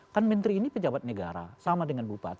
kan menteri ini pejabat negara sama dengan bupati